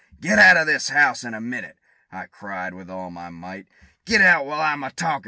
"Get out of this house in a minute!" I cried, with all my might: "Get out, while I'm a talkin'!"